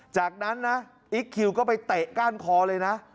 จากนั้นนะอิ๊กคิวก็ไปเตะก้านคอเลยนะ